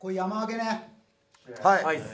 はい。